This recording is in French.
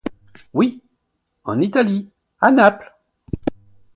Oui... en Italie... à Naples.